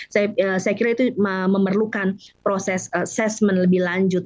saya kira itu memerlukan proses assessment lebih lanjut